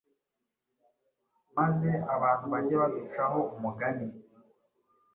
maze abantu bajye baducaho umugani